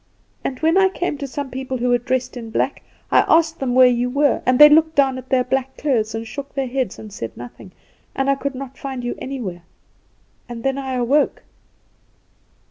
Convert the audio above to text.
"And when I came to some people who were dressed in black, I asked them where you were, and they looked down at their black clothes, and shook their heads, and said nothing; and I could not find you anywhere. And then I awoke.